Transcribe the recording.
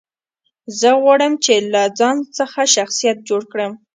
زه غواړم، چي له ځان څخه شخصیت جوړ کړم.